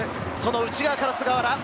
内側から菅原。